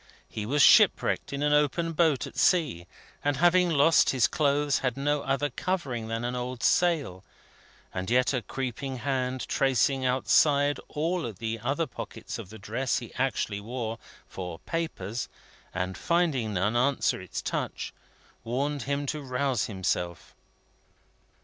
He was ship wrecked in an open boat at sea, and having lost his clothes, had no other covering than an old sail; and yet a creeping hand, tracing outside all the other pockets of the dress he actually wore, for papers, and finding none answer its touch, warned him to rouse himself.